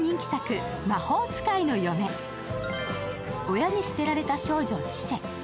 親に捨てられた少女、チセ。